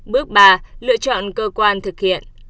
bước ba lựa chọn cơ quan thực hiện